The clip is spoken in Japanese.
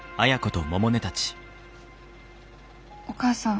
お母さん。